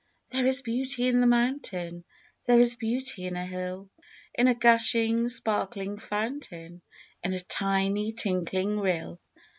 There is beauty in the mountain, There is beauty in a hill, In a gushing, sparkling fountain, In a tiny, tinkling rill.